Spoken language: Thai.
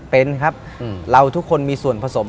เป็นครับเราทุกคนมีส่วนผสม